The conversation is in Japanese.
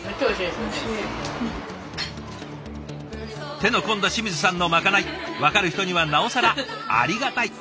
手の込んだ清水さんのまかない分かる人にはなおさらありがたい。